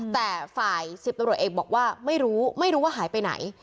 แต่ฝ่าย๑๐ตำรวจเอกบอกว่าไม่รู้ไม่รู้ว่าหายไปไหน